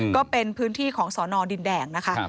ก็เป็นพื้นที่ของสอนอดินแดงนะคะ